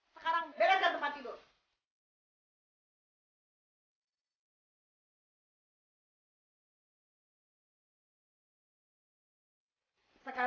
sekarang bereskan tempat tempat yang kotor